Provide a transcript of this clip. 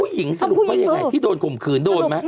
ผู้หญิงสาหรับไปยังไงที่โดนกล่มคืนโดนไหม